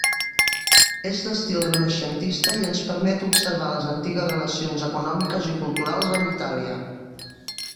És d'estil renaixentista i ens permet observar les antigues relacions econòmiques i culturals amb Itàlia.